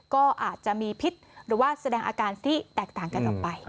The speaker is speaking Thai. ก็อาจจะมีพิษหรือว่าแสดงอาการที่แตกต่างกันออกไป